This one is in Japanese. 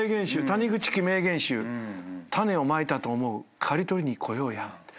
「谷口家名言集」「種をまいたと思う刈り取りに来ようや」って。